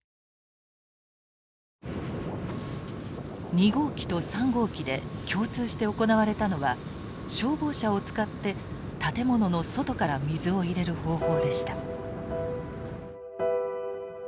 ２号機と３号機で共通して行われたのは消防車を使って建物の外から水を入れる方法でした。